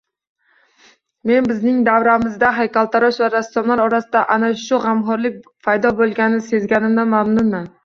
Men bizning davramizda, haykaltarosh va rassomlar orasida ana shu gʻamxoʻrlik paydo boʻlganini sezganimdan mamnunman.